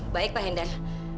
baik pak hendar